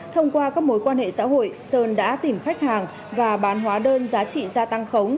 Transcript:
thông qua các mối quan hệ xã hội sơn đã tìm khách hàng và bán hóa đơn giá trị gia tăng khống